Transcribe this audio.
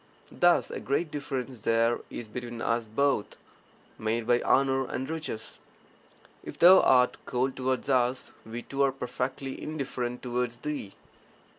Thus a great difference there is between us both, made by honour and riches. If thou art cold towards us, we too are perfectly indifferent towards thee.